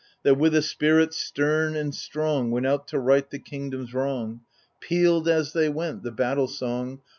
That with a spirit stem and strong Went out to right the kingdom*s wrong — Pealed, as they went, the battle song.